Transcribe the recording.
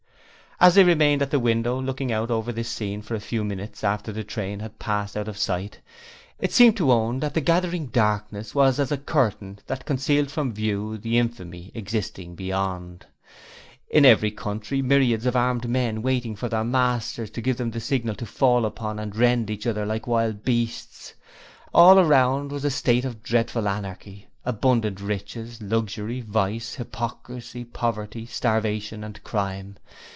As they remained at the window looking out over this scene for a few minutes after the train had passed out of sight, it seemed to Owen that the gathering darkness was as a curtain that concealed from view the Infamy existing beyond. In every country, myriads of armed men waiting for their masters to give them the signal to fall upon and rend each other like wild beasts. All around was a state of dreadful anarchy; abundant riches, luxury, vice, hypocrisy, poverty, starvation, and crime.